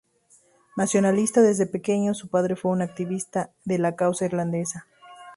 Nacionalista desde pequeño, su padre fue un activista de la causa irlandesa.